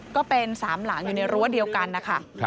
ก็เป็น๓หลังอยู่ในรั้วเดียวกันนะคะ